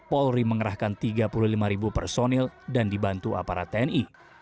polri mengerahkan tiga puluh lima personil dan dibantu aparat tni